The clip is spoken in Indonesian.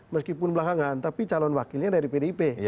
meskipun belakangan tapi calon wakilnya dari pdip